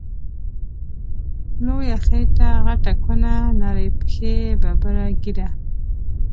لويه خيټه غټه کونه، نرۍ پښی ببره ږيره